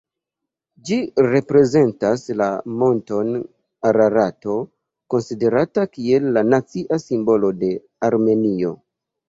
Ĝi reprezentas la monton Ararato, konsiderata kiel la nacia simbolo de Armenio.